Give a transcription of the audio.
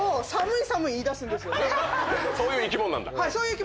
そういう生き物なんだ。